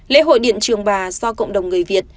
lễ hội điện trường bà do cộng đồng người việt